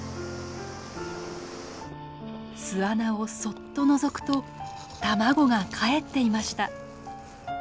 巣穴をそっとのぞくと卵がかえっていました。